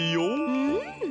うん。